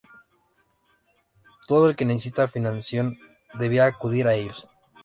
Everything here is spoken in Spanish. Todo el que necesitaba financiación debía acudir a ellos.